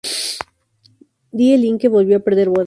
Die Linke volvió a perder votantes.